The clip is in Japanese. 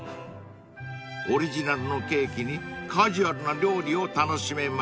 ［オリジナルのケーキにカジュアルな料理を楽しめます］